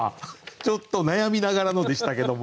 ちょっと悩みながらのでしたけども。